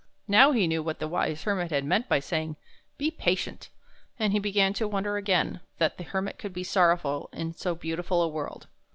Now he knew what the wise Hermit had meant by saying, " Be patient and he began to wonder again that the Hermit could be sorrowful in so beautiful a world.